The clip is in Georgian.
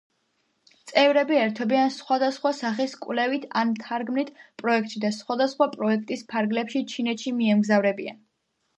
წევრები ერთვებიან სხვადასხვა სახის კვლევით ან თარგმნით პროექტში და სხვადასხვა პროექტის ფარგლებში ჩინეთში მიემგზავრებიან.